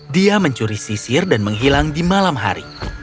dia mencuri sisir dan menghilang di malam hari